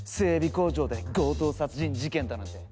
工場で強盗殺人事件だなんて。